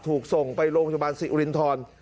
ถูกส่งไปโรงพยาบาลศรีอุรินทร